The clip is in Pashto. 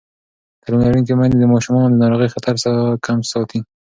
تعلیم لرونکې میندې د ماشومانو د ناروغۍ خطر کم ساتي.